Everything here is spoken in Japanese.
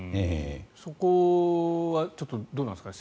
そこはちょっとどうなんですかね